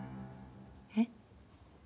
えっ？